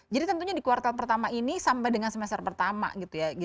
jadi tentunya di kuartal pertama ini sampai dengan semester pertama gitu ya